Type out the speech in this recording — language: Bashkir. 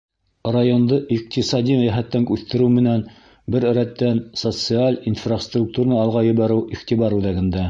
Районды иҡтисади йәһәттән үҫтереү менән бер рәттән, социаль инфраструктураны алға ебәреү — иғтибар үҙәгендә.